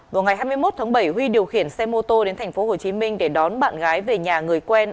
vào ngày hai mươi một tháng bảy huy điều khiển xe mô tô đến tp hcm để đón bạn gái về nhà người quen